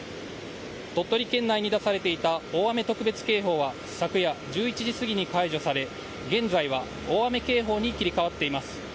鳥取県内に出されていた大雨特別警報は昨夜１１時すぎに解除され現在は大雨警報に切り替わっています。